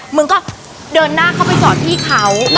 มึงก็เดินหน้าเข้าไปจอดที่เขา